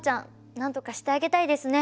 なんとかしてあげたいですね。